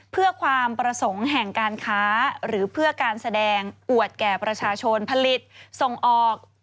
เพื่อความประสงค์แห่งการค้าหรือเพื่อการแสดงอวดแก่ประชาชนผลิตส่งออก